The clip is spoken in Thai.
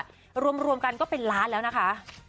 รวมกันก็เป็นล้านแล้วนะคะ